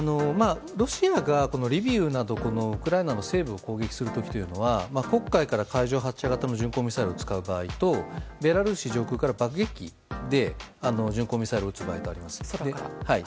ロシアがリビウなどウクライナ西部を攻撃する時は黒海から海上発射型の巡航ミサイルを使う場合とベラルーシ上空から爆撃機で巡航ミサイルを撃つ場合があります。